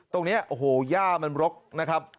ตรงนี้โอ้โหย่ามันรกนะครับ